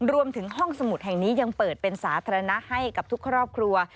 รวมถึงห้องสมุดแห่งนี้ยังเปิดเป็นสาธารณะให้กับทุกครอบครัว